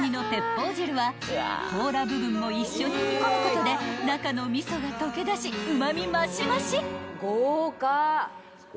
［甲羅部分も一緒に煮込むことで中の味噌が溶け出しうま味増し増し］